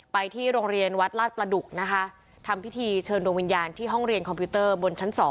ไปที่โรงเรียนวัดลาดประดุกนะคะทำพิธีเชิญดวงวิญญาณที่ห้องเรียนคอมพิวเตอร์บนชั้น๒